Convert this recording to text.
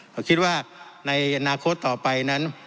ผมคิดว่าในอนาคตต่อไปนั้น